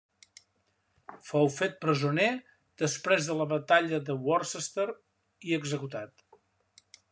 Fou fet presoner després de la batalla de Worcester i executat.